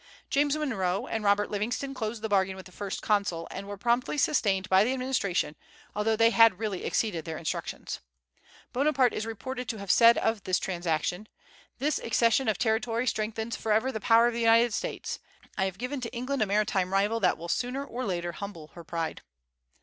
James Monroe and Robert Livingston closed the bargain with the First Consul, and were promptly sustained by the administration, although they had really exceeded their instructions. Bonaparte is reported to have said of this transaction: "This accession of territory strengthens forever the power of the United States. I have given to England a maritime rival that will sooner or later humble her pride."